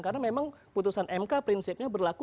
karena memang putusan mk prinsipnya berlaku